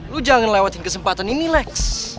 lu jangan lewatin kesempatan ini next